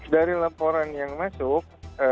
dari laporan yang masuk